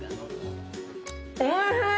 おいしい！